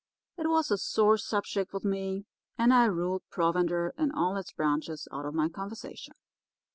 It was a sore subject with me, and I ruled provender in all its branches out of my conversation.